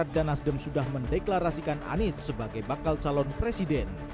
partai demokrat dan nasdem sudah mendeklarasikan anies sebagai bakal calon presiden